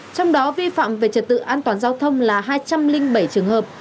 trong đó vi phạm về trật tự an toàn giao thông là hai trăm linh bảy trường hợp